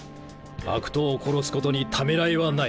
悪党を殺すことにためらいはない。